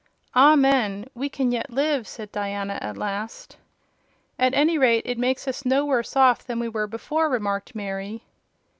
"Amen! We can yet live," said Diana at last. "At any rate, it makes us no worse off than we were before," remarked Mary.